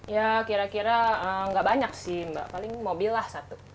ya kira kira nggak banyak sih mbak paling mobil lah satu